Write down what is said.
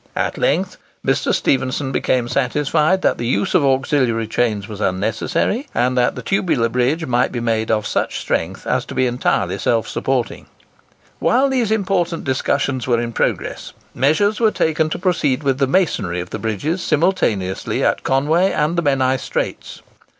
At length Mr. Stephenson became satisfied that the use of auxiliary chains was unnecessary, and that the tubular bridge might be made of such strength as to be entirely self supporting. While these important discussions were in progress, measures were taken to proceed with the masonry of the bridges simultaneously at Conway and the Menai Straits.